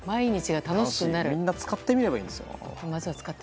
みんな使ってみればいいですよ。